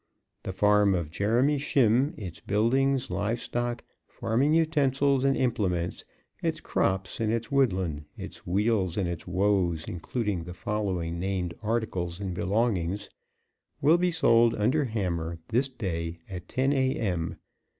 The farm of Jeremy Shimm, its buildings, live stock, farming utensils and implements, its crops and its woodland, its weals and its woes, including the following named articles and belongings, will be sold under hammer this day at 10 a. m.